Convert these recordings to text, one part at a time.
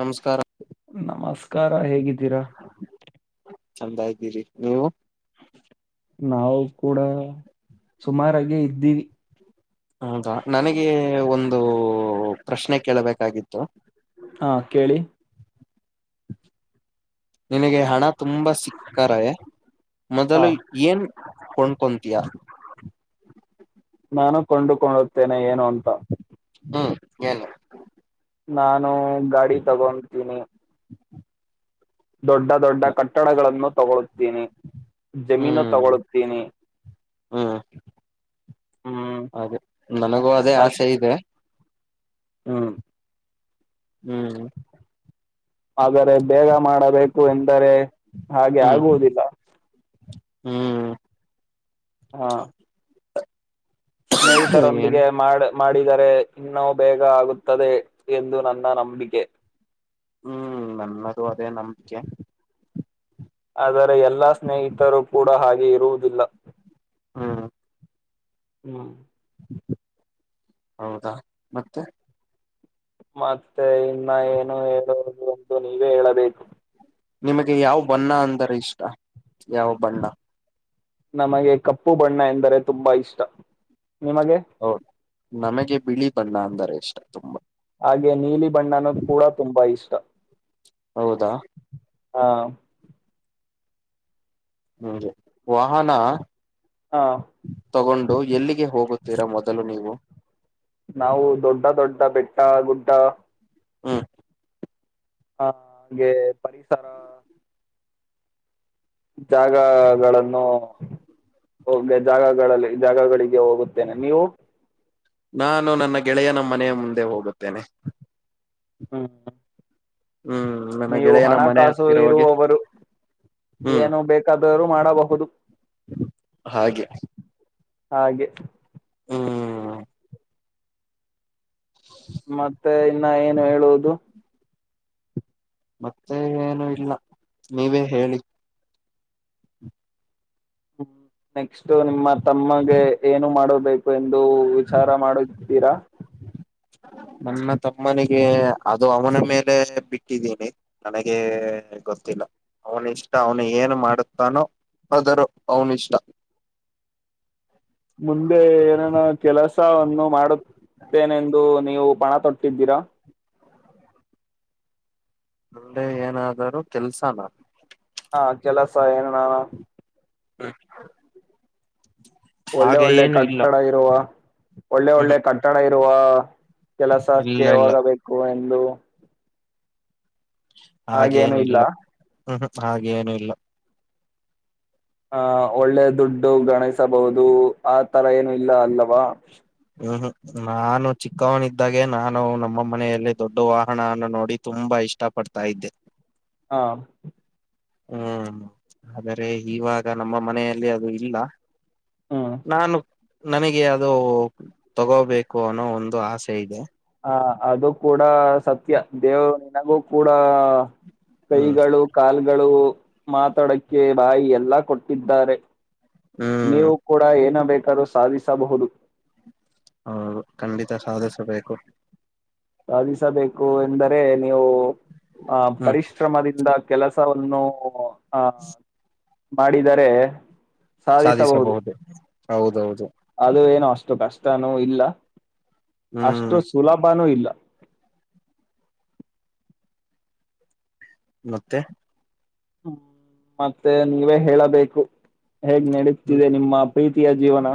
ನಮಸ್ಕಾರ ನಮಸ್ಕಾರ ಹೇಗಿದ್ದೀರಾ ಚಂದ ಇದ್ದೀರಿ ನೀವು. ನಾವು ಕೂಡ ಸುಮಾರಾಗೆ ಇದ್ದೀವಿ. ಹೌದಾ ನನಗೆ ಒಂದು ಪ್ರಶ್ನೆ ಕೇಳಬೇಕಾಗಿತ್ತು. ಹಾ ಕೇಳಿ. ನಿನಗೆ ಹಣ ತುಂಬಾ ಸಿಕ್ಕಾರವೇ ಹಾ ಮೊದಲು ಏನ್ ಕೊಂಡ್ಕೊತಿಯಾ. ನಾನು ಕೊಂಡುಕೊಳ್ ತೆನೆ ಏನು ಅಂತಾ. ಹ್ಮ್ ಏನು. ನಾನು ಗಾಡಿ ತೊಗೊಂತೀನಿ. ದೊಡ್ಡ ದೊಡ್ಡ ಕಟ್ಟಡಗಳನ್ನು. ತೊಗೋಳು ತಿನಿ ಜಮೀನು ಹ್ಮ್ ತೋಗೊಳ್ಳುತ್ತೀನಿ ಹ್ಮ್ ಹ್ಮ್ ಅದೇ ನನಗೂ ಅದೇ ಆಸೆ ಅಸ್ಟ್ ಇದೆ ಹ್ಮ ಹ್ಮ್ ಆದರೆ ಬೇಗ ಮಾಡಬೇಕು ಎಂದರೆ ಹಾಗೆ ಹ್ಮ್ ಆಗುವುದಿಲ್ಲ. ಹ್ಮ್ ಹಾ ಏನ್ ಸ್ನೇಹಿತರೊಂದಿಗೆ ಮಾಡ್ ಮಾಡಿದರೆ ಇನ್ನೂ ಬೇಗ ಆಗುತ್ತದೆ ಎಂದು ನನ್ನ ನಂಬಿಕೆ. ಹ್ಮ್ ನನ್ನದು ಅದೇ ನಂಬಿಕೆ. ಆದರೆ ಎಲ್ಲಾ ಸ್ನೇಹಿತರು ಕೂಡ ಹಾಗೆ ಇರುವುದಿಲ್ಲ. ಹ್ಮ್ ಹ್ಮ್ ಹೌದಾ ಮತ್ತೆ. ಮತ್ತೆ ಇನ್ನ ಏನು ಹೇಳುವುದು ಎಂದು ನೀವೇ ಹೇಳಬೇಕು. ನಿಮಗೆ ಯಾವ ಬಣ್ಣ ಅಂದ್ರ ಇಷ್ಟ ಯಾವ ಬಣ್ಣ. ನಮಗೆ ಕಪ್ಪು ಬಣ್ಣ ಎಂದರೆ ತುಂಬಾ ಇಷ್ಟ. ನಿಮಗೆ ಹೌದು ನಮಗೆ ಬಿಳಿ ಬಣ್ಣ ಅಂದರೆ ಇಷ್ಟ ತುಂಬಾ. ಹಾಗೆ ನೀಲಿ ಬಣ್ಣನು ಕೂಡ ತುಂಬಾ ಇಷ್ಟ [inaudible] ಹೌದಾ ಹಾ ನಂಗೆ ವಾಹನ. ಹ ತಗೊಂಡು ಎಲ್ಲಿಗೆ ಹೊ ಹೋಗುತ್ತೀರಾ ಮೊದಲು ನೀವು. ನಾವು ದೊಡ್ಡ ದೊಡ್ಡ ಬೆಟ್ಟ ಗುಡ್ಡ. ಹ್ಮ ಹಾಗೆ ಪರಿಸರ. ಜಾಗಗಳನ್ನು ಗೆ ಜಾಗಗಳಲ್ಲಿ ಜಾಗಗಳಿಗೆ ಹೋಗುತ್ತೇನೆ ನೀವು ನಾನು ನನ್ನ ಗೆಳೆಯನ ಮನೆ ಮುಂದೆ ಮತ್ತೆ ಹೋಗುತ್ತೇನೆ ಹ್ಮ ಹ್ಮ್ ನನ್ನ ನೀವು ಗೆಳೆಯನ ಹಣ ಮನೆ ಕಾಸು ಹತ್ತಿರ ಹೋಗಿ ಇರುವವರು ಏನು ಬೇಕಾದರ ಹ್ಮ್ ಏನು ಬೇಕಾದರು ಮಾಡಬಹುದು ಹಾಗೆ ಹಾಗೆ ಹ್ಮ ಮತ್ ಮತ್ತೆ ಇನ್ನ ಏನು ಹೇಳುವುದು ಮತ್ತೆ ಏನು ಇಲ್ಲ ನೀವೇ ಹೇಳಿ ಹ್ಮ ನೆಕ್ಸ್ಟ್ ನಿಮ್ಮ ತಮ್ಮಗೆ ಏನು ಮಾಡೋಬೇಕು ಎಂದು ವಿಚಾರ ಮಾಡಿತಿದ್ದೀರಾ ನನ್ನ ತಮ್ಮನಿಗೆ ಅದು ಅವನ ಮೇಲೆ ಬಿಟ್ಟಿದ್ದೀನಿ ನನಗೆ ಗೊತ್ತಿಲ್ಲ ಅವನ ಇಷ್ಟ ಅವನು ಏನು ಮಾಡುತ್ತಾನೋ ಆದರ ಅವನ ಇಷ್ಟ ಮುಂದೆ ಏನೇನು ಕೆಲಸವನ್ನು ಮಾಡುತ್ತೇನೆಂದು ನೀವು ಪಣ ತೊಟ್ಟಿದ್ದೀರಾ ಮುಂದೆ ಏನಾದರೂ ಕೆಲ್ಸನ ಹಾ ಕೆಲಸ ಏನ ನಾ [inaudible] ಒಳ್ಳೆ ಹಾಗೆ ಒಳ್ಳೆ ಏನು ಇಲ್ಲ ಕಟ್ಟಡ ಇರುವ ಒಳ್ಳೆ ಒಳ್ಳೆ ಹ್ಮ್ ಕಟ್ಟಡ ಇ ಯವಾ ಕೆಲಸಕ್ಕೆ ಇಲ್ಲ ಇಲ್ಲ ಹೋಗಬೇಕು ಎಂದ ಲು ಇಲ್ಲ ಆಗೇನಿಲ್ಲ ಹ್ಮ್ ಹಾಗೆ ಏನು ಇಲ್ಲ ಆ ಒಳ್ಳೆ ದುಡ್ಡು ಗಣಿಸಬಹುದು ಆ ತರ ಏನು ಇಲ್ಲ ಅಲ್ಲವಾ ಹ್ಮ್ ಹ್ಮ್ ನಾನು ಚಿಕ್ಕವನಿದ್ದಾಗೆ ನಾನು ನಮ್ಮ ಮನೆಯಲ್ಲಿ ದೊಡ್ಡ ವಾಹನನ್ನ ನೋಡಿ ತುಂಬಾ ಇಷ್ಟ ಪಡ್ತಾ ಇದ್ದೆ ಹಾ ಹ್ಮ್ ಆದರೆ ಇವಾಗ ನಮ್ಮ ಮನೆಯಲ್ಲಿ ಅದು ಇಲ್ಲ ಹ್ಮ್ ನಾನು ನನಗೆ ಅದು ತಗೋಬೇಕು ಅನ್ನೋ ಒಂದು ಆಸೆ ಇದೆ ಹ ಅದು ಕೂಡ ಸತ್ಯ ದೇವರು ನಿನಗೂ ಕೂಡ ಹ್ಮ್ ಕೈಗಳು ಕಾಲ ಗಳು ಮಾತಾಡಕ್ಕೆ ಬಾಯಿ ಎಲ್ಲಾ ಕೊಟ್ಟಿದ್ದಾರೆ ಹ್ಮ್ ನೀವು ಕೂಡ ಏನ ಇತರ ಸಾಧಿಸಬಹುದು ಹೌದು ಖಂಡಿತ ಸಾಧಿಸಬೇಕು ಸಾಧಿಸಬೇಕು ಎಂದರೆ ನೀವು ಆ ಹ್ಮ್ ಪರಿಶ್ರಮದಿಂದ ಕೆಲಸವನ್ನು ಆ ಮಾಡಿದರೆ ಸಾಧಿಸಬಹುದು ಹೌದೌದು ಅದು ಏನು ಅಷ್ಟ ಅಷ್ಟು ಕಷ್ಟನು ಇಲ್ಲ ಅಷ್ಟು ಹ್ಮ್ ಸುಲಭಾನೂ ಇಲ್ಲ [inaudible] ಮತ್ತೆ ಹ್ಮ ಮತ್ತೆ ನೀವೇ ಹೇಳಬೇಕು ಹೇಗ್ ಹ್ಮ್, ನಡೀತಿದೆ ನಿಮ್ಮ ಪ್ರೀತಿಯ ಜೀವನ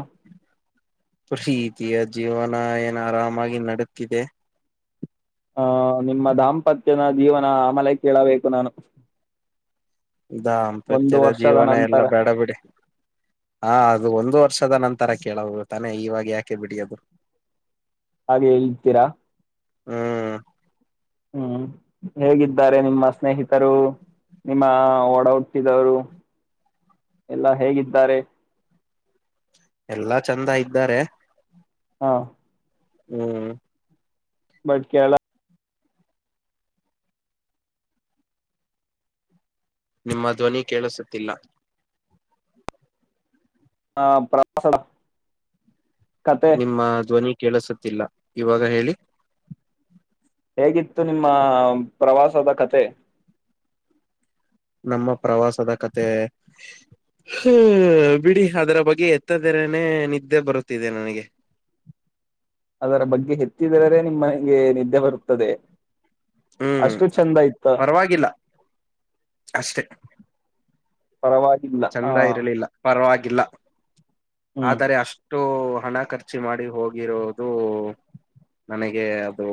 ಪ್ರೀತಿಯ ಜೀವನ ಏನ ಆರಾಮಾಗಿ ನಡತಿದೆ ಹಹ ನಿಮ್ಮ ದಾಂಪತ್ಯದ ಜೀವನ ಆಮಲೆ ಕೇಳಬೇಕು ನಾನು ಒಂದು ದಾಂಪತ್ಯದ ವರ್ಷದ ಜೀವನ ಎಲ್ಲ ನಂತರ ಬೇಡ ಬಿಿಡಿ ಹಾ ಅದು ಒಂದು ವರ್ಷ ವರ್ಷದ ನಂತರ ಕೇಳ ಹ ತಾನೆ ಇವಾಗ ಯಾಕೆ ಬಿಡಿಯದು್ರು ಹಾಗೆ ಹೇಳ್ತೀರಾ ಹ್ಮ್ ಹ್ಮ್ ಹೇಗಿದ್ದಾರೆ ನಿಮ್ಮ ಸ್ನೇಹಿತರು ನಿಮ್ಮ ಒಡ ಹುಟ್ಟಿದವರು ಎಲ್ಲಾ ಹೇಗಿದ್ದಾರೆ ಎಲ್ಲಾ ಚಂದ ಇದ್ದಾರೆ ಹಾ ಹ್ಮ್ ಬಟ್ ಕಳ ನಿಮ್ಮ ಧ್ವನಿ ಕೇಳಿಸುತ್ತಿಲ್ಲ ಹಾ ಪಾ ಸಡ ನಿಮ್ಮ ಧ್ವನಿ ಕೆೇಳಸತಿಲ್ಲ ಇವಾಗ ಹೇಳಿ ಹೇಗಿತ್ತು ನಿಮ್ಮ ಪ್ರವಾಸದ ಕತೆ ನಮ್ಮ ಪ್ರವಾಸದ ಕತೆ ಹ ಬಿಡಿ ಅದರ ಬಗ್ಗೆ ಎತ್ತದೆೆರನೆ ನಿದ್ದೆ ಬರುತ್ತಿದೆ ನನಗೆ ಅದರ ಬಗ್ಗೆ ಹೆಚ್ಚಿದರರೆೇ ನಿಮ್ಮಗೆ ನಿದ್ದೆ ಬರುತ್ತದೆ ಹ್ಮ್ ಅಷ್ಟು ಚಂದ ಇತ್ತ ಪರವಾಗಿಲ್ಲ ಅಷ್ಟೆ ಪರವಾಗಿಲ್ಲ ಹ ಚಂದ ಇರಲಿಲ್ಲ ಪರವಾಗಿ ಕಿಲ್ಲ ಹ್ಮ್ ಆದರೆ ಅಷ್ಟು ಹಣ ಖರ್ಚು ಮಾಡಿ ಹೋಗಿರೋದು ನನಗೆ ಅದು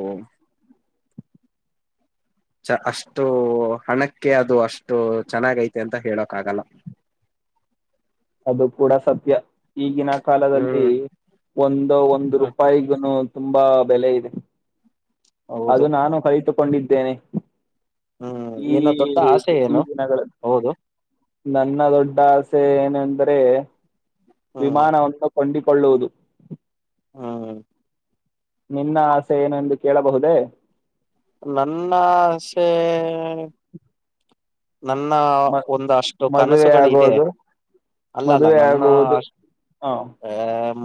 ಚ ಅಷ್ಟು ಹಣಕ್ಕೆ ಅದು ಅಷ್ಟು ಚೆನ್ನಾಗೈತೆ ಅಂತ ಹೇಳೋಕ್ ಆಗಲ್ಲ ಅದು ಕೂಡ ಸತ್ಯ ಈಗಿನ ಕಾಲದಲ್ಲಿ ಹ್ಮ್ ಒಂದು ಒಂದು ಹ್ಮ್ ರೂಪಾಯಿಗ ತುಂಬಾ ಬೆಲೆ ಇದೆ ಹೌದು ಅದು ನಾನು ಕೈತು ಕೊಂಡಿದ್ದೇನೆ ಹ್ಮ್ ಈ ನಿನ್ನ ದೊಡ್ಡ ಆಸೆ ಈ ಏನು ದಿನಗಳಲ್ಲಿ ಹೌದು ನನ್ನ ದೊಡ್ಡ ಆಸೆ ಏ ಅಂದರೆ ಹ್ಮ್ ವಿಮಾನವಂತ ಕನ್ [unintelligible] ಕೊಳ್ಳುವುದು ಹ್ಮ್ ನಿನ್ನ ಆಸೆ ಏನೆಂದು ಕೇಳಬಹುದೇ ನನ್ನ ಆಸೆ ನನ್ನ ಮ- ಒಂದಷ್ಟು ಮದುವೆ ಕನಸುಗಳ ಇದೆ ಆಗೋದು ಅಲ್ಲಲ್ಲ ಮದುವೆ ನನ್ನ ಆಗುವುದು ಅಸ್ಟ್ ಹ ಏ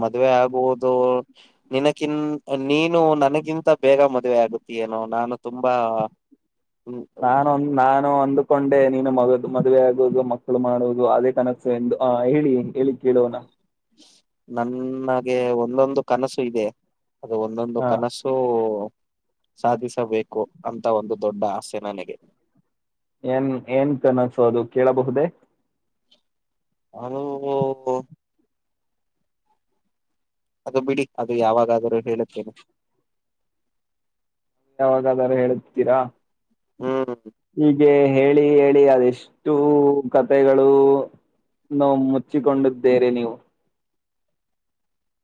ಮದುವೆ ಆಗುವುದು ನಿನಕಿಂತ್ ನೀನು ನನಗಿಂತ ಬೇಗ ಮದುವೆ ಆಗುತ್ತಿಯೇನೋ ನಾನು ತುಂಬಾ ನಾನ್ ಒಂದ್ ನಾನು ಒಂದು ಕೊಂಡೆ ನೀನು ಮಗ ಮದುವೆ ಆಗುವುದು ಮಕ್ಕಳು ಮಾಡುವುದು ಅದೇ ಕನಸು ಎಂದು ಆ ಹೇಳಿ ಹೇಳಿ ಕೇಲೋಣ ನನ್ನಗೆ ಒಂದೊಂದು ಕನಸು ಇದೆ ಅದು ಒಂದೊಂದು ಹ ಕನಸೂ ಸಾಧಿಸಬೇಕು ಅಂತ ಒಂದು ದೊಡ್ಡ ಆಸೆ ನನಗೆ ಏನ್ ಏನ್ ಕನಸು ಅದು ಕೇಳಬಹುದೇ ಅದು ಅದು ಬಿಡಿ ಅದು ಯಾವಾಗ ದರು ಹೇಳುತ್ತೇನೆ ಯಾವಾಗಾದರು ಹೇಳುತ್ತೀರ ಹ್ಮ್ ಹೀಗೆ ಹೇಳಿ ಹೇಳಿ ಅದೆಷ್ಟು ಕತೆೆಗಳು ನ ಮುಚ್ಚಿಕೊಂಡಿದ್ದೀರಿ ನೀವು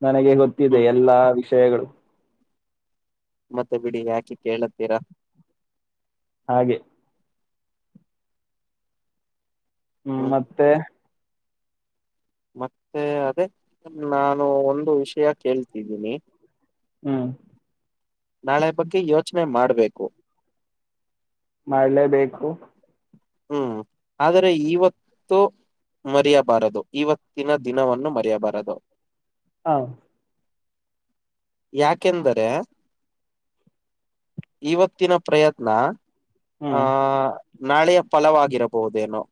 ನನಗೆ ಗೊತ್ತಿದೆ ಹ್ಮ್ ಎಲ್ಲಾ ವಿಷಯ್ ವಿಷಯಗಳು ಮತ್ತೆ ಬಿಡಿ ಯಾಕೆ ಕೇಳತ್ತೀರಾ ಹಾಗೆ ಹ್ಮ್ ಮತ್ತೆ ಮತ್ತೆ ಅದೇ ನಾನು ಒಂದು ವಿಷಯ ಕೇಳ್ತಿದಿನಿ ಹ್ಮ್ ನಾಳೆ ಬಗ್ಗೆ ಯೋಚನೆ ಮಾಡ್ಬೇಕು ಮಾಡ್ಲೇಬೇಕು ಹ್ಮ್ ಆದರೆ ಇವತ್ತು ಮರೆಯಬಾರದು ಇವತ್ತಿನ ದಿನವನ್ನು ಮರೆಯಬಾರದು ಹ ಯಾಕೆಂದರೆ ಇವತ್ತಿನ ಪ್ರಯತ್ನ ಆ ಹ್ಮ್ ನಾಳೆಯ್ ಫಲವಾಗಿರಬಹುದೇನೋ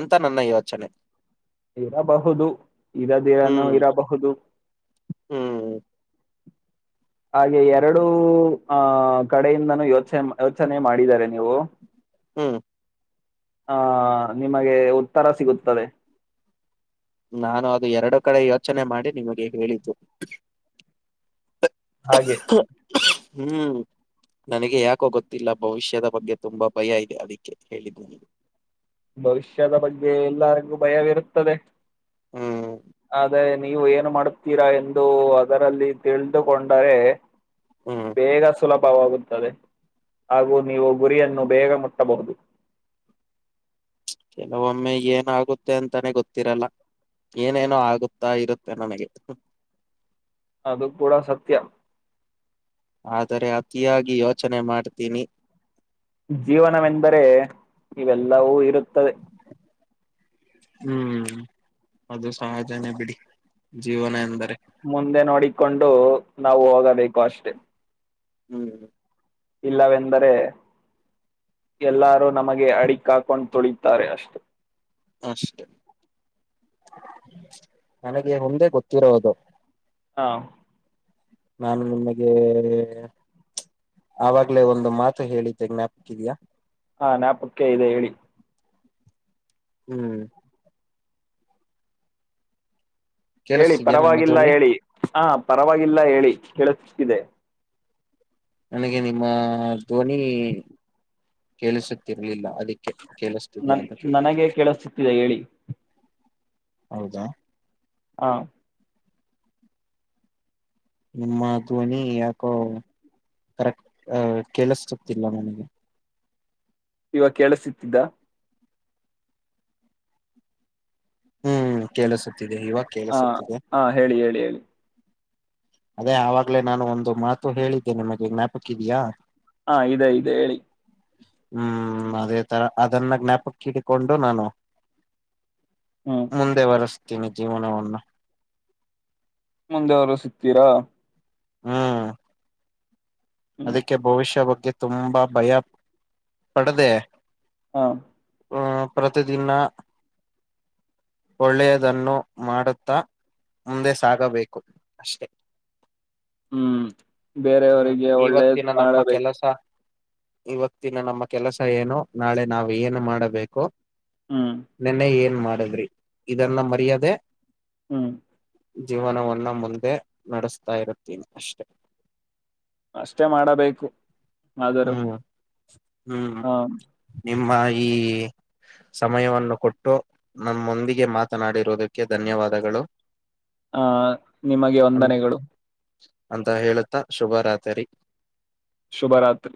ಅಂತ ನನ್ನ ಯೋಚನೆ ಇರಬಹುದು ಇರದಿರನು ಹ್ಮ್ ಇರಬಹುದು ಹ್ಮ್ ಹಾಗೆ ಎರಡೂ ಆಹ ಕಡೆಯಿಂದನೂ ಯೋಚನೆ ಯೋಚನೆ ಮಾಡಿದಿದ್ದಾರೆ ನೀವು ಹ್ಮ ಹಾ ನಿಮಗೆ ಉತ್ತರ ಸಿಗುತ್ತದೆ ನಾನು ಅದು ಎರಡು ಕಡೆ ಯೋಚನೆ ಮಾಡಿ ನಿಮಗೆ ಹೇಳಿದ್ದು ಹಾಗೆ ಹ್ಮ್ ನನಗೆ ಯಾಕೋ ಗೊತ್ತಿಲ್ಲ ಭವಿಷ್ಯದ ಬಗ್ಗೆ ತುಂಬಾ ಭಯ ಇದೆ ಅದಕ್ಕೆ ಹೇಳಿದ್ದು ನೀ ಭವಿಷ್ಯದ ಬಗ್ಗೆ ಎಲ್ಲರಿಗೂ ಭಯವಿರುತ್ತದೆ ಹ್ಮ ಆದೇ ನೀವು ಏನು ಮಾಡುತ್ತೀರಾ ಎಂದು ಅದರಲ್ಲಿ ತಿಳಿದುಕೊಂಡರೆ ಹ್ಮ್ ಬೇಗ ಸುಲಭ ವಾಗುತ್ತದೆ ಹಾಗೂ ನೀವು ಗುರಿಯನ್ನು ಬೇಗ ಮುಟ್ಟಬಹುದು ಕೆಲವೊಮ್ಮೆ ಏನಾಗುತ್ತೆ ಅಂತಾನೆ ಗೊತ್ತಿರಲ್ಲ ಏನೇನೋ ಆಗುತ್ತಾ ಇರುತ್ತೆ ನನಗೆ ಅದು ಕೂಡ ಸತ್ಯ ಆದರೆ ಅತಿಯಾಗಿ ಯೋಚನೆ ಮಾಡ್ತೀನಿ ಜೀವನವೆಂದರೆ ಇವೆಲ್ಲವೂ ಇರುತ್ತದೆ ಹ್ಮ್ ಅದು ಸಹಜನೇ ಬಿಡಿ ಜೀವನ ಎಂದರೆ ಮುಂದೆ ನೋಡಿಕೊಂಡು ನಾವು ಹೋಗಬೇಕು ಅಷ್ಟೆ ಹ್ಮ್ ಇಲ್ಲವೆಂದರೆ ಎಲ್ಲಾರೂ ನಮಗೆ ಅಡಿಕ್ ಹಾಕೊಂಡ್ ತುಳಿತಾರೆ ಅಷ್ಟು ಅಷ್ಟೇ ನನಗೆ ಒಂದೆ ಗೊತ್ತಿರೋದು ಹಾ ನಾನು ನಿಮಗೆ ಆವಾಗ್ಲೇ ಒಂದು ಮಾತು ಹೇಳಿದ್ದೆ ಜ್ಞಾಪಕಿದಯಾ ಹಾ ಜ್ಞಾಪಕ್ಕೆ ಇದೆ ಹೇಳಿ ಹ್ಮ್ ಹೇಳಿ ಕೇಳಿಸ್ತಿದ್ಯಾ ನಮ್ಮ ಪರವಾಗಿಲ್ಲ ಧ್ವನಿ ಹೇಳಿ ಹ ಪರವಾಗಿಲ್ಲ ಹೇಳಿ ಹೇಳ ಸಿಕ್ಕಿದೆ ನನಗೆ ನಿಮ್ಮ ಧ್ವನಿ ಕೇಳಿಸುತ್ತೇ ಇಲ್ಲ ಅದಕ್ಕೆ ಕೇಳಿಸ್ತಿದ್ಯಾಾ ನನ್ ಅಂತ ಕೇಳು ನನಗೆ ಕೇಳಿಸುತ್ತಿದೆ ಹೇಳಿ ಹೌದಾ ಹಾ ನಿಮ್ಮ ಧ್ವನಿ ಯಾಕೋ ಕರೆಕ್ ಆ ಕೇಳಿಸತಿಿಲ್ಲ ನನಗೆ ಇವ ಕೇಳಸತ್ತಿದ್ದ ಹ್ಮ್ ಕೆಲಸ ಹಾ ಹಾ ಹೇಳಿ ಹೇಳಿ ಹೇಳಿ ಅದೇ ಆವಾಗ್ಲೇ ನಾನು ಒಂದು ಮಾತು ಹೇಳಿದ್ದೆ ನಮಗೆ ಜ್ಞಾಪಕ ಇದಯಾ ಹಾ ಇದೆ ಇದೆ ಹೇಳಿ ಹ್ಮ್ ಅದ ತರ ಅಧಾರ್ನಾಾಗ ನಞಾಪಕಿಿಗೆ ಕಣಂಡ ನಾನೋ ಹ್ಮ್ ಮುಂದೆ ಬರಸ್ತ [unintelligible] ಜೀವನವನ್ನು ನ ಮುಂದೆವರು ಸಿಗ್ತೀರಾ ಹಾ ಹ್ಮ್ ಅದಕ್ಕೆ ಭವಿಷ್ಯ ಬಗ್ ತುಂಬಾ ಭಯ ಪಡದೆ ಹಾ ಆ ಪ್ರತಿದಿನ ಒಳ್ಳೆಯದನ್ನು ಮಾಡುತ್ತಾ ಮುಂದೆ ಸಾಗಬೇಕು ಅಷ್ಟೆ ಹ್ಮ್ ಹ್ಮ್ ಬೇರೆಯವರಿಗೆ ಒಳ್ಳೇದ್ ಇವತ್ತಿನ ನಮ್ಮ ಮಾಡಬೇಕು ಕೆಲಸ ಇವತ್ತಿನ ನಮ್ಮ ಕೆಲಸ ಏನು ನಾಳೆ ನಾವು ಏನು ಮಾಡಬೇಕು. ಹ್ಮ್ ನಿನ್ನೆ ಏ ಏನ್ ಮಾಡಿದ್ರಿ ಇದನ್ನ ಮರ್ಯಾದೆ ಹ್ಮ್ ಜೀವನವನ್ನ ಮುಂದೆ ನಡೆಸ್ತಾ ಇರುತ್ತೀನಿ ಅಷ್ಟೆ ಅಷ್ಟೇ ಮಾಡಬೇಕು ಆದರೂ ಹ್ಮ್ ಹ್ಮ್ ಹಾ ನಿಮ್ಮ ಈ ಸಮಯವನ್ನು ಕೊಟ್ಟು ನಮ್ಮೊಂದಿಗೆ ಮಾತನಾಡಿರುವುದಕ್ಕೆ ಧನ್ಯವಾದಗಳು ಹ ನಿಮಗೆ ಅಂ ವಂದನೆಗಳು ಅಂತ ಹೇಳುತ್ತಾ ಶುಭ ರಾತ್ರಿ ಸರಿ ಶುಭರಾತ್ರಿ